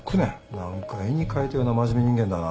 何か絵に描いたような真面目人間だな。